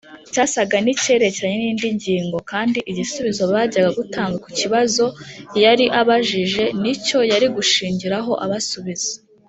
cyasaga n’icyerekeranye n’indi ngingo kandi igisubizo bajyaga gutanga ku kibazo yari ababajije ni cyo yari gushingiraho abasubiza